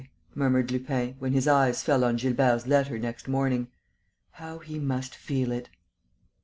murmured Lupin, when his eyes fell on Gilbert's letter next morning. "How he must feel it!"